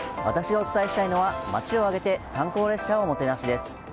私がお伝えしたいのは町を挙げて観光列車をもてなしです。